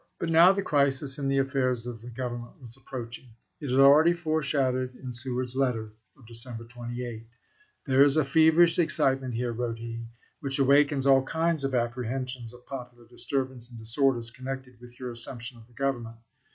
But now the crisis in the affairs of the G overn ment was approaching. It is already foreshadowed in Mr. Seward's letter of December 28. " There is a feverish excitement here," wrote he, "which awakens aU kinds of apprehensions of popular disturbance and disorders connected with your assumption of the Government."